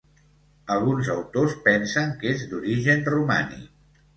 Alguns autors pensen que és d'origen romànic.